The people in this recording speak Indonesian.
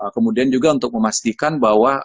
kemudian juga untuk memastikan bahwa